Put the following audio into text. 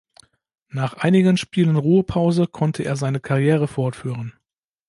Nach einigen Spielen Ruhepause konnte er seine Karriere fortführen.